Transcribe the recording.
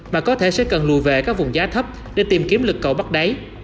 mà có thể sẽ cần lùi về các vùng giá thấp để tìm kiếm lực cầu bắt đáy